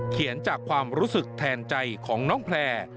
เขียนจากความรู้สึกแทนใจของน้องแพลร์